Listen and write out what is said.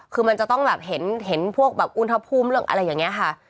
คือมันจะต้องแบบเห็นพวกแบบอุณหภูมิเรื่องอะไรอย่างนี้ค่ะ